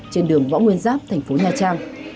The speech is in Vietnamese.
trên đường võ nguyên giáp tp nha trang